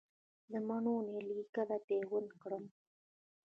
د مڼو نیالګي کله پیوند کړم؟